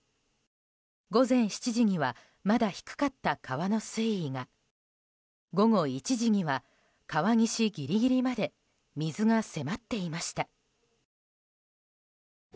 午前７時にはまだ低かった川の水位が午後１時には川岸ギリギリまで水が迫っていました。